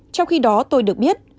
trong khi đó tôi được biết